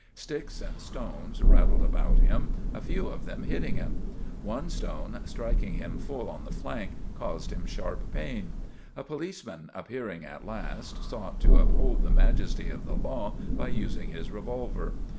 Sticks and stones rattled about him, a few of them hitting him. One stone, striking him full on the flank, caused him sharp pain. A policeman, ap pearing at last, sought to uphold the majesty of the law by using his revolver.